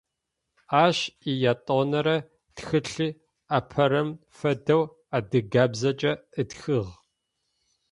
Ащ иятӏонэрэ тхылъи апэрэм фэдэу адыгабзэкӏэ ытхыгъ.